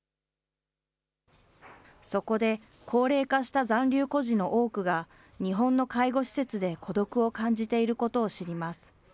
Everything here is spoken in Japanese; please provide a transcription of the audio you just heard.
そこで、高齢化した残留孤児の多くが日本の介護施設で孤独を感じていることを知ります。